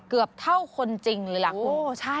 เกือบเท่าคนจริงเลยล่ะคุณ